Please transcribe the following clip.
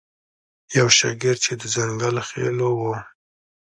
یو شاګرد چې د ځنګل خیلو و.